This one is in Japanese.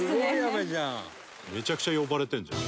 「めちゃくちゃ呼ばれてるじゃん」